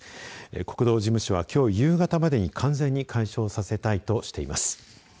国道事務所は、きょう夕方までに完全に解消させたいとしています。